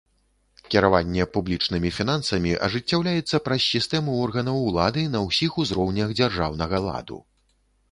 Кіраванне публічнымі фінансамі ажыццяўляецца праз сістэму органаў улады на ўсіх узроўнях дзяржаўнага ладу.